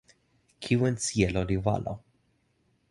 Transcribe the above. kiwen sijelo li walo.